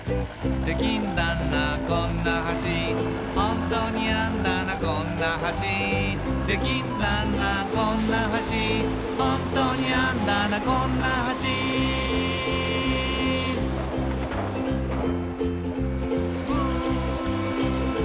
「できんだなこんな橋」「ホントにあんだなこんな橋」「できんだなこんな橋」「ホントにあんだなこんな橋」「ウー」